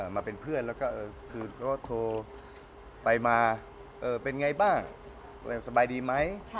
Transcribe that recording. มาเป็นเพื่อนแล้วก็คือก็โทรไปมาเป็นไงบ้างสบายดีไหม